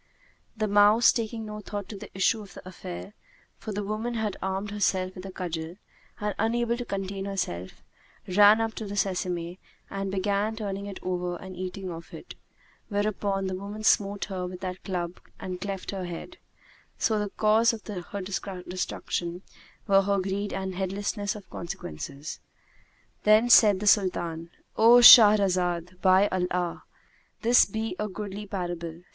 The mouse, taking no thought to the issue of the affair (for the woman had armed herself with a cudgel), and unable to contain herself, ran up to the sesame and began turning it over and eating of it; whereupon the woman smote her with that club and cleft her head: so the cause of her destruction were her greed and heedlessness of consequences. Then said the Sultan, "O Shahrazad, by Allah! this be a goodly parable!